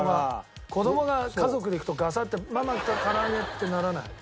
子供が家族で行くと「ママから揚げ」ってならない？